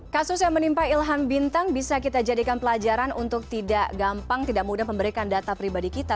kasus yang menimpa ilham bintang bisa kita jadikan pelajaran untuk tidak gampang tidak mudah memberikan data pribadi kita